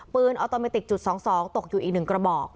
ออโตเมติกจุด๒๒ตกอยู่อีก๑กระบอก